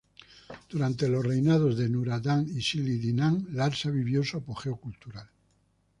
Durante los reinados de Nur-Adad y Sin-Iddinam Larsa vivió su apogeo cultural.